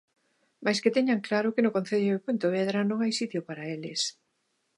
Mais que teñan claro que no concello de Pontevedra non hai sitio para eles.